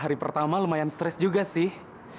hari pertama lumayan stres juga sih